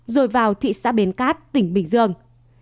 rồi vào thị xã bến cát tỉnh bình dương